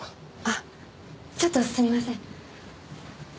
ちょっとすみません。